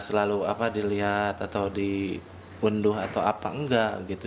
kalau apa dilihat atau diunduh atau apa nggak gitu